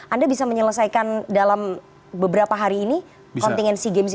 anda bisa menyelesaikan dalam beberapa hari ini kontingensi games ini